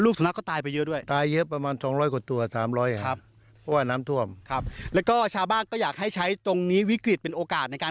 ก็อยากให้ชาวบ้านใช้ตรงนี้วิกฤตเป็นโอกาสนะครับ